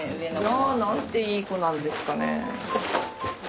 いや何ていい子なんですかね。